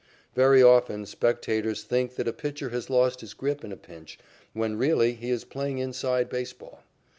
Very often spectators think that a pitcher has lost his grip in a pinch, when really he is playing inside baseball.